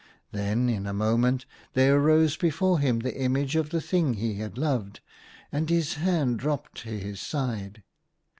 Then in a moment there arose before him the image of the thing he had loved, and his hand dropped to his side.